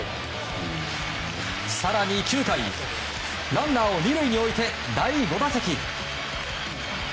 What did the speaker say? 更に９回、ランナーを２塁に置いて、第５打席。